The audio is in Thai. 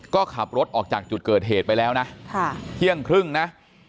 ก็ขับรถออกจากจุดเกิดเหตุไปแล้วนะเที่ยงครึ่งนะ